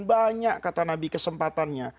banyak kata nabi kesempatannya